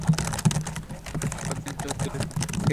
তখন তিনি চোখ তুলে তাকান।